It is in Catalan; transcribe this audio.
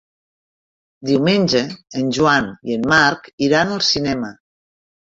Diumenge en Joan i en Marc iran al cinema.